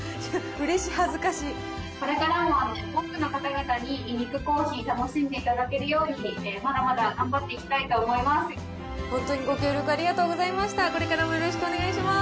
うれしこれからも多くの方々にイニックコーヒー、楽しんでいただけるようにまだまだ頑張っていきたいと思います。